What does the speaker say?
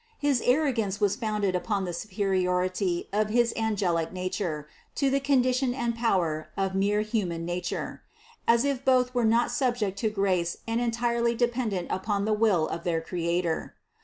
His ar rogance was founded upon the superiority of his angelic nature to the condition and power of mere human na ture: as if both were not subject to grace and entirely dependent upon the will of their Creator.